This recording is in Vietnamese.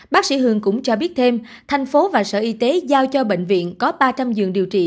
bác sĩ hương cũng cho biết thêm thành phố và sở y tế giao cho bệnh viện có ba trăm linh giường điều trị